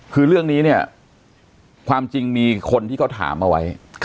คือเรื่องนี้เนี่ยความจริงมีคนที่เขาถามเอาไว้